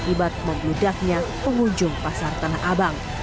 yang memudahnya pengunjung pasar tanah abang